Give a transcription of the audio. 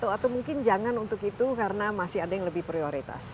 atau mungkin jangan untuk itu karena masih ada yang lebih prioritas